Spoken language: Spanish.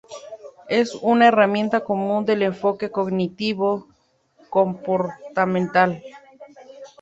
Es una herramienta común del enfoque cognitivo comportamental.